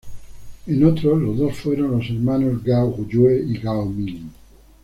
En otro, los dos fueron los hermanos Gao Jue y Gao Ming.